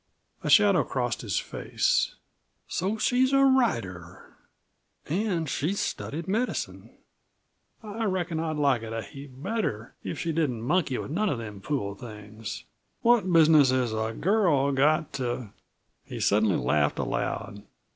A shadow crossed his face. "So she's a writer an' she's studied medicine. I reckon I'd like it a heap better if she didn't monkey with none of them fool things. What business has a girl got to " He suddenly laughed aloud.